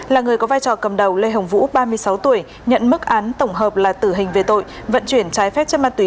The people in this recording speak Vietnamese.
là người có vai trò cầm đầu lê hồng vũ ba mươi sáu tuổi nhận mức án tổng hợp là tử hình về tội vận chuyển trái phép chất ma túy